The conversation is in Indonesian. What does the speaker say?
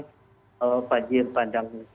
banjirop ini memang lebih didominasi oleh faktor alam